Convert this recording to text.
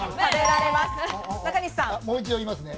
もう一度、言いますね。